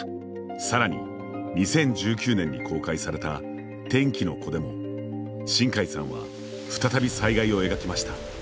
さらに２０１９年に公開された「天気の子」でも新海さんは再び災害を描きました。